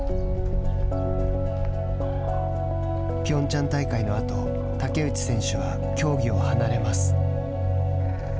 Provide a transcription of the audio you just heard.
ピョンチャン大会のあと竹内選手は競技を離れます。